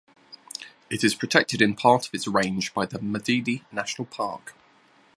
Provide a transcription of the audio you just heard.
It is protected in part of its range by the Madidi National Park.